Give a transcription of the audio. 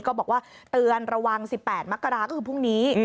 ก็บอกว่าเตือนระวัง๑๘มกราก็คือพรุ่งนี้